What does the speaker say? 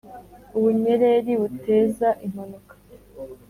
Ubunyereri buteza impanuka.